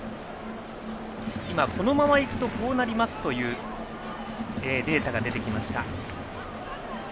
このままいくと、こうなりますというデータが出てきました。